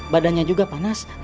badannya juga panas